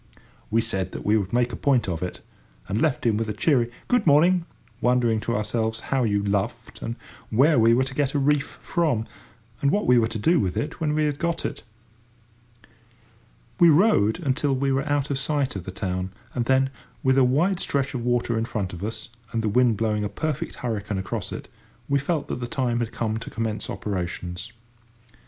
We said we would make a point of it, and left him with a cheery "Good morning," wondering to ourselves how you "luffed," and where we were to get a "reef" from, and what we were to do with it when we had got it. We rowed until we were out of sight of the town, and then, with a wide stretch of water in front of us, and the wind blowing a perfect hurricane across it, we felt that the time had come to commence operations.